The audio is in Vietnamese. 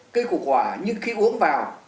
cây củ quả như khi uống vào